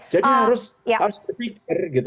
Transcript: jadi harus berpikir gitu